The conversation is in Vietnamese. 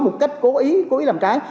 một cách cố ý cố ý làm trái